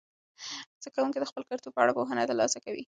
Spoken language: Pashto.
زده کوونکي د خپل کلتور په اړه پوهنه ترلاسه کوي.